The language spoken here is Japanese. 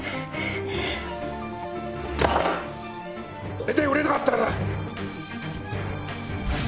これで売れなかったら。